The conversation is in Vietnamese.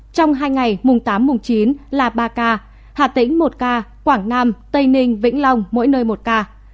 trong hai ngày mùng tám mùng chín là ba ca hà tĩnh một ca quảng nam tây ninh vĩnh long mỗi nơi một ca